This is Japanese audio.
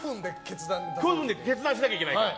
５分で決断しなきゃいけないから。